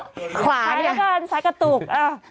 ชายร่อยกันซ้ายกระตุก